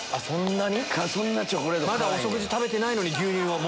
まだお食事食べてないのに牛乳を。